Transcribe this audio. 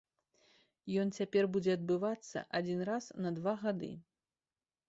Ён цяпер будзе адбывацца адзін раз на два гады.